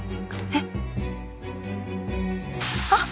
えっ？